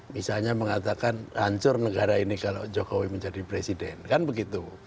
misalnya mengatakan hancur negara ini kalau jokowi menjadi presiden kan begitu